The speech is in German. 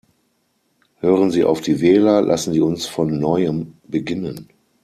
Hören Sie auf die Wähler, lassen Sie uns von neuem beginnen.